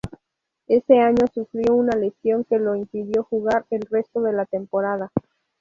Ese año sufrió una lesión que lo impidió jugar el resto de la temporada.